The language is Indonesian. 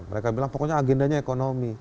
mereka bilang pokoknya agendanya ekonomi